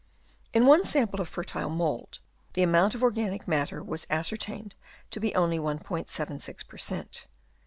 In one sample of fertile mould the amount of organic matter was ascertained to be only 1*76 per cent.